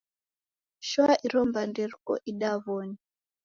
Shoa iro mbande riko idaw'onyi.